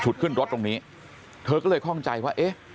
ขึ้นรถตรงนี้เธอก็เลยคล่องใจว่าเอ๊ะ